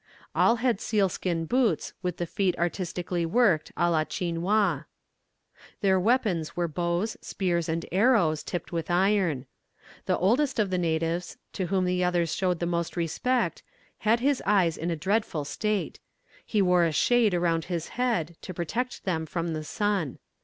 All had sealskin boots with the feet artistically worked à la Chinoise. "Their weapons were bows, spears, and arrows, tipped with iron. The oldest of the natives, to whom the others showed the most respect, had his eyes in a dreadful state; he wore a shade round his head, to protect them from the sun.